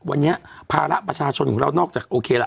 วันนี้ภาระประชาชนของเรานอกจากโอเคละ